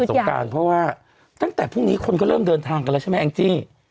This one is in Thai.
สงการเพราะว่าตั้งแต่พรุ่งนี้คนก็เริ่มเดินทางกันแล้วใช่ไหมแองจี้